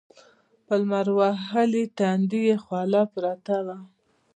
په لمر وهلي تندي يې خوله پرته وه.